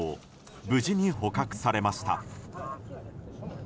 無事に捕獲されました。